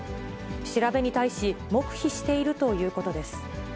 調べに対し、黙秘しているということです。